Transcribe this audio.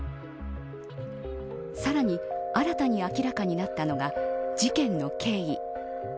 さらに、新たに明らかになったのが事件の経緯。